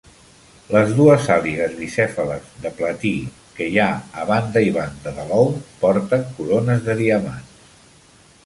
Les dues àligues bicèfales de platí que hi ha a banda i banda de l'ou porten corones de diamants.